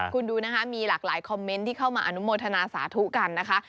คุณดูนะคะมีหลากหลายคอมเมนต์ที่เข้ามาอนุโมทนาสาธุกันนะคะ